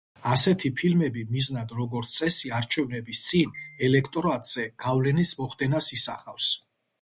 ასეთი ფილმები მიზნად, როგორც წესი, არჩევნების წინ ელექტორატზე გავლენის მოხდენას ისახავს.